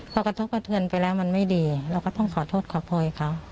พอกระทบกระเทือนไปแล้วมันไม่ดีเราก็ต้องขอโทษขอโพยเขา